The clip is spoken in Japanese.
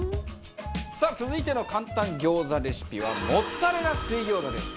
さあ続いての簡単餃子レシピはモッツァレラ水餃子です。